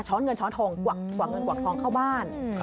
เงินช้อนทองกวักเงินกวักทองเข้าบ้าน